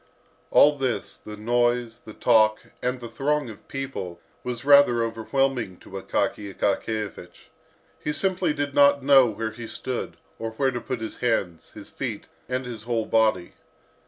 All this, the noise, the talk, and the throng of people, was rather overwhelming to Akaky Akakiyevich. He simply did not know where he stood, or where to put his hands, his feet, and his whole body.